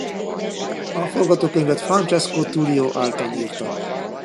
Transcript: A forgatókönyvet Francesco Tullio Altan írta.